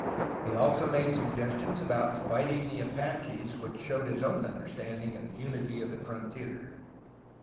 He also made suggestions about fighting the Apaches 322 A HISTORY OF CALIFORNIA which showed his own understanding of the unity of the frontier.